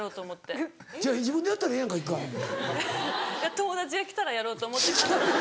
友達が来たらやろうと思って買ったので。